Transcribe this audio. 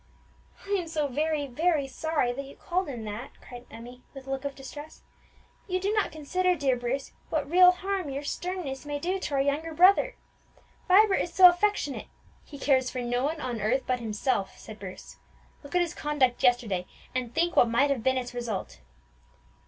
"I am so very, very sorry that you called him that," cried Emmie, with a look of distress. "You do not consider, dear Bruce, what real harm your sternness may do to our younger brother. Vibert is so affectionate " "He cares for no one on earth but himself," said Bruce. "Look at his conduct yesterday, and think what might have been its result."